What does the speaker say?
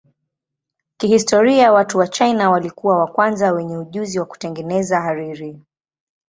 Kihistoria watu wa China walikuwa wa kwanza wenye ujuzi wa kutengeneza hariri.